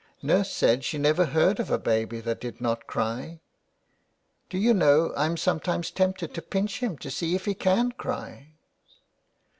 Nurse said she never heard of a baby that did not cry. Do you know I'm sometimes tempted to pinch him to see if he can cry."